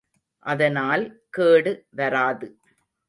அதனால் கேடு வராது.